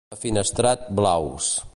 A Finestrat, blaus.